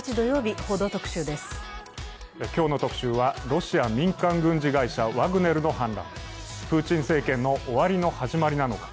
今日の「特集」はロシア民間軍事会社ワグネルの反乱、プーチン政権の終わりの始まりなのか。